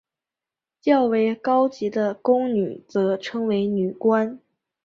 较为高级的宫女则称为女官。